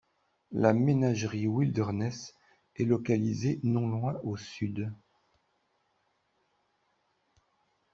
La Menagerie Wilderness est localisée non loin au sud.